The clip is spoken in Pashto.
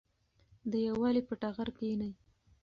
د یووالي په ټغر کېنئ.